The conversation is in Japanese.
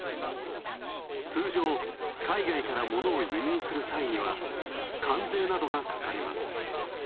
通常、海外からものを輸入するさいには、関税などがかかります。